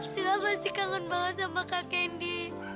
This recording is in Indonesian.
sila pasti kangen banget sama kak kendi